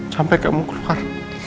sampai kamu keluar